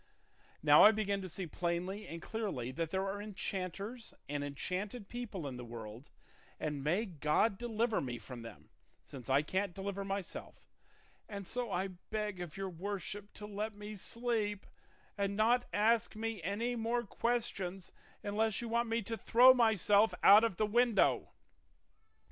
Now I begin to see plainly and clearly that there are enchanters and enchanted people in the world; and may God deliver me from them, since I can't deliver myself; and so I beg of your worship to let me sleep and not ask me any more questions, unless you want me to throw myself out of the window."